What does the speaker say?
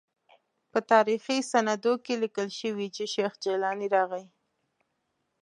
په تاریخي سندونو کې لیکل شوي چې شیخ جیلاني راغی.